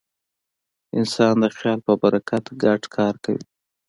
انسان د خیال په برکت ګډ کار کوي.